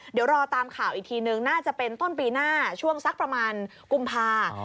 เดี๋ยวรอตามข่าวอีกทีนึงน่าจะเป็นต้นปีหน้าช่วงสักประมาณกุมภา